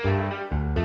nih si tati